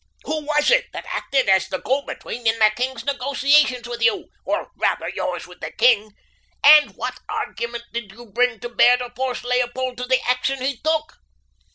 Who was it that acted as the go between in the king's negotiations with you, or rather, yours with the king? And what argument did you bring to bear to force Leopold to the action he took?"